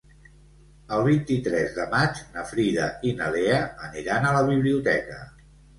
El vint-i-tres de maig na Frida i na Lea aniran a la biblioteca.